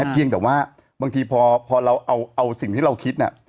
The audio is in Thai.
เพียงแต่ว่าบางทีพอเราเอาสิ่งที่เราคิด